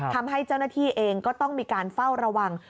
ทำให้เจ้าหน้าที่เองก็ต้องมีการเฝ้าระวัง